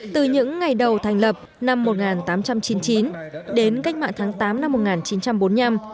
từ những ngày đầu thành lập năm một nghìn tám trăm chín mươi chín đến cách mạng tháng tám năm một nghìn chín trăm bốn mươi năm